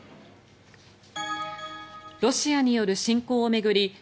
ロシアによる侵攻を巡り